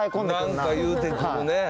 なんか言うてくるね